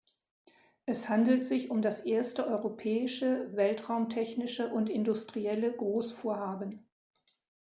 Es handelt sich um das erste europäische weltraumtechnische und industrielle Großvorhaben.